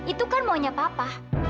itu kan maunya papa